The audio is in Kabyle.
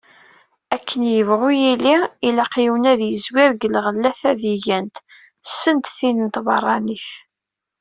Akken yebɣu yili, ilaq yiwen ad yezwir deg lɣella tadigant, send tin n tbeṛṛanit.